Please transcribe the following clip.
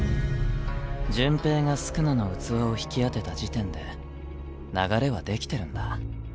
順平が宿儺の器を引き当てた時点で流れは出来てるんだ。